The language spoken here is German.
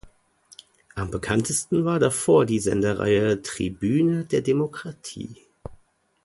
Am bekanntesten war davon die Sendereihe „Tribüne der Demokratie“.